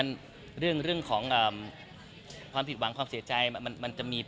ฉันไม่ได้เดี่ยวว่าที่ยังไม่เดี๋ยว